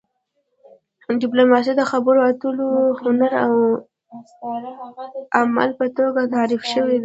ډیپلوماسي د خبرو اترو هنر او عمل په توګه تعریف شوې ده